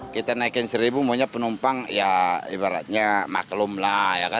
kita naikin rp satu maunya penumpang ya ibaratnya maklum lah